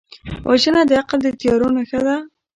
وژنه د عقل د تیارو نښه ده